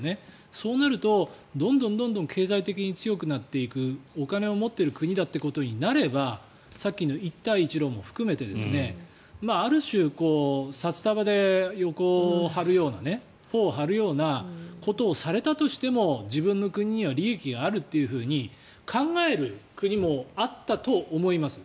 そうなるとどんどん経済的に強くなっていくお金を持っている国だということにならばさっきの一帯一路も含めてある種、札束で横を張るような頬を張るようなことをされたとしても自分の国には利益があるというふうに考える国もあったと思います。